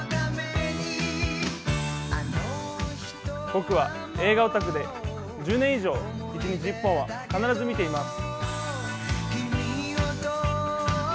僕は映画オタクで、１０年以上、一日１本は必ず見ています。